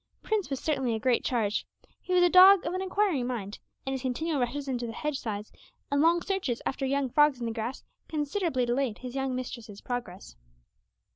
Prince was certainly a great charge; he was a dog of an inquiring mind, and his continual rushes into the hedge sides, and long searches after young frogs in the grass, considerably delayed his young mistress's progress.